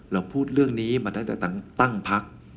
เราพูดเรื่องนี้มาตั้งแต่ตั้งพัก